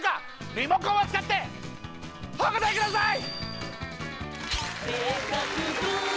リモコンを使ってお答えください！